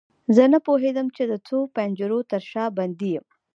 زه نه پوهیدم چې د څو پنجرو تر شا بندي یم.